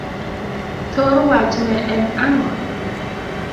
thor wach ne en ango?